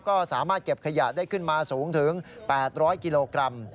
ก็สามารถเก็บขยะได้ขึ้นมาสูงถึง๘๐๐กิโลกรัม